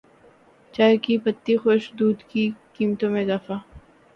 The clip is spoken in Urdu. چائے کی پتی خشک دودھ کی قیمتوں میں اضافہ